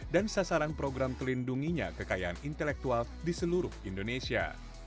dan sasaran program kelindunginya kekayaan intelektual di seluruh indonesia